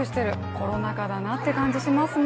コロナ禍だなって感じ、しますね。